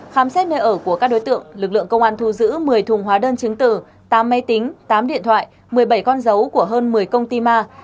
khám xét nơi ở của các đối tượng lực lượng công an thu giữ một mươi thùng hóa đơn chứng tử tám máy tính tám điện thoại một mươi bảy con dấu của hơn một mươi công ty ma